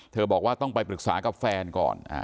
บอกว่าต้องไปปรึกษากับแฟนก่อน